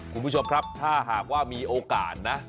คุณผู้ชมครับถ้าหากว่ามีโอกาสนะ